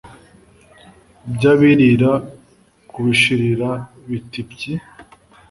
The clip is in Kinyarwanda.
Byabirira ku bishirira biti pyi